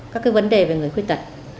các vấn đề về người khuyết tật